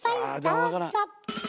どうぞ！